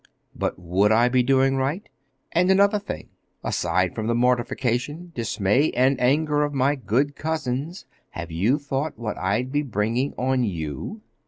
"But would I be doing right? And another thing—aside from the mortification, dismay, and anger of my good cousins, have you thought what I'd be bringing on you?"